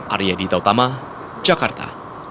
arya ditautama jakarta